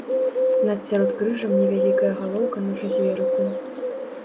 Над сяродкрыжжам невялікая галоўка на чацверыку.